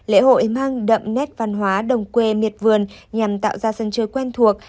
lễ hội mang đậm nét văn hóa đồng quê miệt vườn nhằm tạo ra sân chơi quen thuộc